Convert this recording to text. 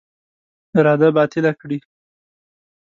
اراده باطله کړي.